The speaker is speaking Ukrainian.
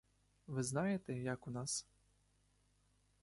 Ви знаєте, як у нас?